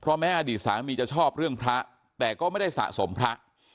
แม้อดีตสามีจะชอบเรื่องพระแต่ก็ไม่ได้สะสมพระ